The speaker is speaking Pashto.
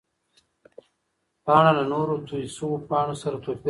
پاڼه له نورو تویو شوو پاڼو سره توپیر لري.